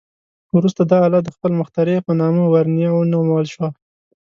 وروسته دا آله د خپل مخترع په نامه "ورنیه" ونومول شوه.